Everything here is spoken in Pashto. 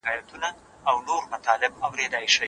که وخت سم ونه کارول شي نو د پروژې پایله اغېزمنه نه وي.